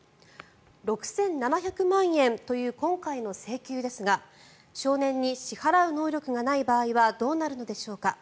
６７００万円という今回の請求ですが少年に支払う能力がない場合はどうなるのでしょうか。